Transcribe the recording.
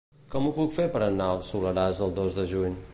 Com ho puc fer per anar al Soleràs el dos de juny?